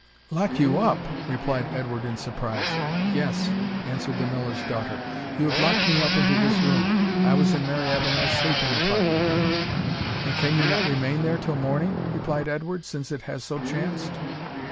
"Locked you up!" replied Edward, in surprise. "Yes," answered the Miller's daughter, "you have locked me up into this room I was in Mary Avenel's sleeping apartment." "And can you not remain there till morning," replied Edward, "since it has so chanced?"